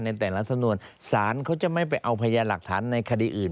สารวิทยานะครับเขาจะไม่เอาพยาหลักฐานในคดีอื่น